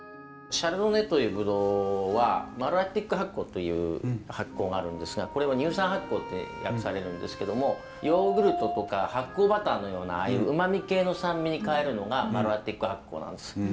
シャルドネというブドウはマロラクティック発酵という発酵があるんですがこれは乳酸発酵って訳されるんですけどもヨーグルトとか発酵バターのようなああいう旨み系の酸味に変えるのがマロラクティック発酵なんです。